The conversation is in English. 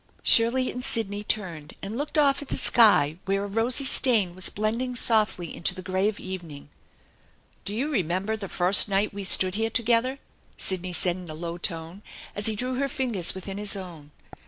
Shirley and Sidney turned and looked off at the sky where a rosy stain was blending softly into the gray of evening. "Do you remember the first night we stood here to gether?" Sidney said in a low tone, as he drew her fingers THE ENCHANTED BARN 313 within his own.